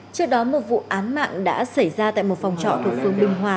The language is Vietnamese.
trước đó một vụ án mạng đã xảy ra tại một phòng trọ thuộc phường bình hòa